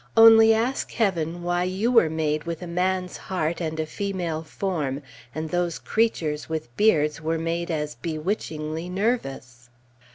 Only ask Heaven why you were made with a man's heart, and a female form, and those creatures with beards were made as bewitchingly nervous?